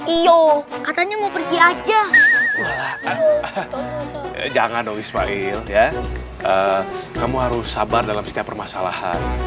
iya katanya mau pergi aja jangan dong ismail kamu harus sabar dalam setiap permasalahan